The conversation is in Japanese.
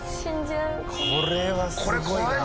これはすごいな。